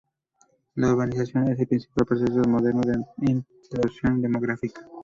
La urbanización es el principal proceso moderno de la implosión demográfica.